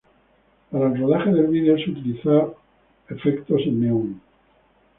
Para el rodaje del vídeo se utilizó efectos en "neón".